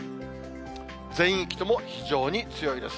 全域とも非常に強いです。